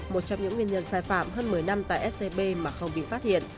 một trong những nguyên nhân sai phạm hơn một mươi năm tại scb mà không bị phát hiện